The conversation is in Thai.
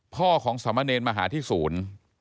พ่อของสามเณรมาหาที่ศูนย์